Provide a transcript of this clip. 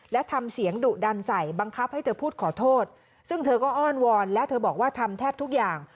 และทำเสียงดุดันใส่บังคับให้เธอพูดขอโทษซึ่งเธอก็อ้อนวอนและเธอบอกว่าทำแทบทุกอย่าง